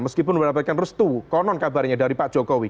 meskipun mendapatkan restu konon kabarnya dari pak jokowi